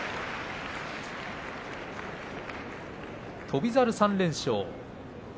翔猿３連勝。